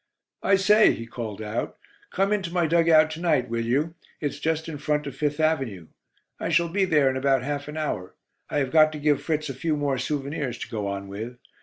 "I say," he called out, "come into my dug out to night, will you? It's just in front of Fifth Avenue. I shall be there in about half an hour; I have got to give Fritz a few more souvenirs to go on with.